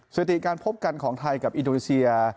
สถิติการพบกันของไทยกับอินโดนีเซีย